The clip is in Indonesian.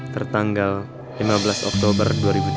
tertanggal lima belas oktober dua ribu tujuh belas